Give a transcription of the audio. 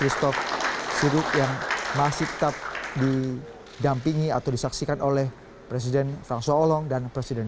stok stok yang masih tetap di dampingi atau disaksikan oleh presiden fransolong dan presiden